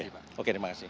baik terima kasih pak